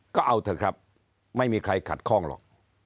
ก็เอาเถอะครับไม่มีใครขัดข้องหรอก